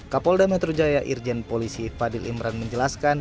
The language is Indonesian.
kapolda metro jaya irjen polisi fadil imran menjelaskan